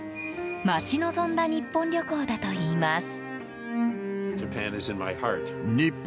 待ち望んだ日本旅行だといいます。